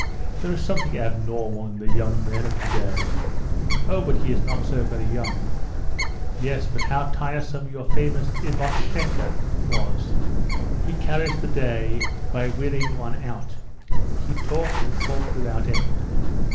"There is something abnormal in the young men of to day." "Oh, but he is not so very young." "Yes. But how tiresome your famous Ivoshenka was. He carries the day by wearying one out. He talked and talked without end."